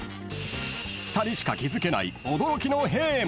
［２人しか気付けない驚きのへぇーも］